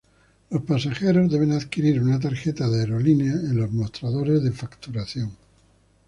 Los pasajeros deben adquirir una tarjeta de aerolínea en los mostradores de facturación.